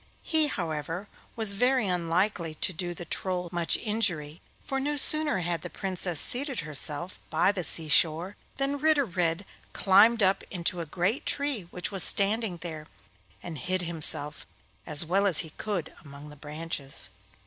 He, however, was very unlikely to do the Troll much injury, for no sooner had the Princess seated herself by the sea shore than Ritter Red climbed up into a great tree which was standing there, and hid himself as well as he could among the branches.